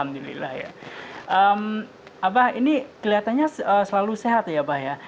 bapak ini kelihatannya selalu sehat ya bapak ya